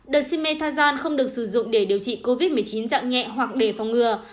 dexamethasone không được sử dụng để điều trị covid một mươi chín dặn nhẹ hoặc để phòng ngừa